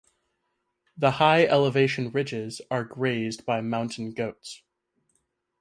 The high elevation ridges are grazed by mountain goats.